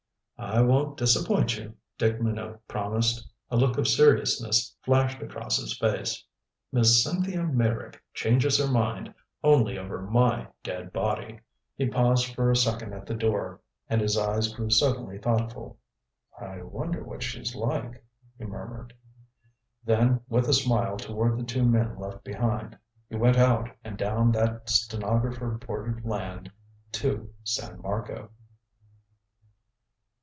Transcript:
"I won't disappoint you," Dick Minot promised. A look of seriousness flashed across his face. "Miss Cynthia Meyrick changes her mind only over my dead body." He paused for a second at the door, and his eyes grew suddenly thoughtful. "I wonder what she's like?" he murmured. Then, with a smile toward the two men left behind, he went out and down that stenographer bordered land to San Marco.